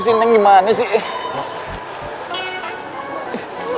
sini gimana sih